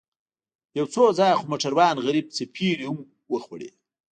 يو څو ځايه خو موټروان غريب څپېړې هم وخوړې.